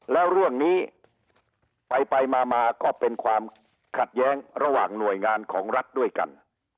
แล้วเรื่องนี้ไปมาก็เป็นความขัดแย้งระหว่างหน่วยงานของรัฐด้วยกัน